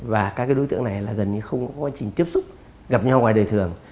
và các đối tượng này là gần như không có quá trình tiếp xúc gặp nhau ngoài đời thường